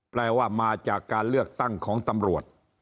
แปลว่ามาจากการเลือกตั้งของตำรวจ